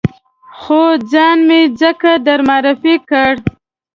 خو ځان مې ځکه در معرفي کړ.